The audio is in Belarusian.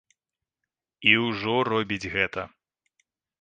І ўжо робіць гэта.